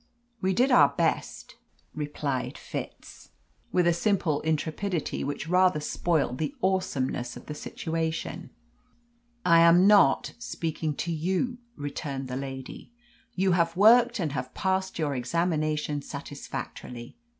"We did our best," replied Fitz, with a simple intrepidity which rather spoilt the awesomeness of the situation. "I am not speaking to you," returned the lady. "You have worked and have passed your examination satisfactorily.